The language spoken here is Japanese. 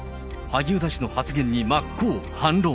萩生田氏の発言に真っ向反論。